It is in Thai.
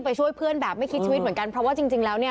ไปช่วยเพื่อนแบบไม่คิดชีวิตเหมือนกันเพราะว่า